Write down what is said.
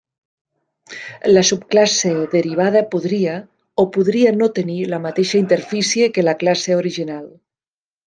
La subclasse derivada podria o podria no tenir la mateixa interfície que la classe original.